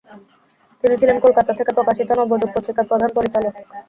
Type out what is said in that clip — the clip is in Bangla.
তিনি ছিলেন কোলকাতা থেকে প্রকাশিত নবযুগ পত্রিকার প্রধান পরিচালক।